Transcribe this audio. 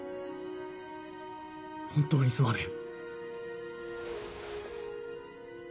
本当にすまねえ。